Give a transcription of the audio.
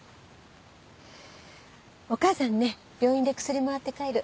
お母さんね病院で薬もらって帰る。